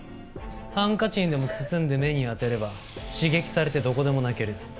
ハンカチにでも包んで目に当てれば刺激されてどこでも泣ける。